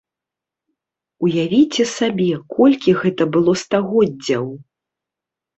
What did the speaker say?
Уявіце сабе, колькі гэта было стагоддзяў!